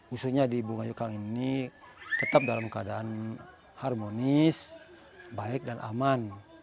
usunya di bunga yukang ini tetap dalam keadaan harmonis baik dan aman